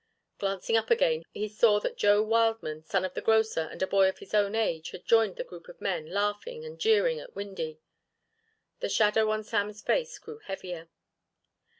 Glancing up again, he saw that Joe Wildman, son of the grocer and a boy of his own age, had joined the group of men laughing and jeering at Windy. The shadow on Sam's face grew heavier.